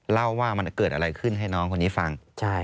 เล่าว่ามันเกิดอะไรขึ้นให้น้องคนนี้ฟัง